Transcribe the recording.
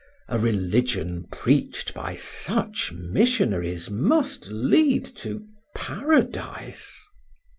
a religion preached by such missionaries must lead to paradise!